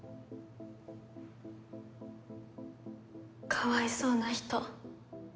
かわいそうな人。